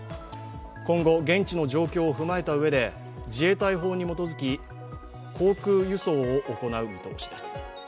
今後現地の状況を踏まえたうえで自衛隊法に基づき、航空輸送を行う見通しです。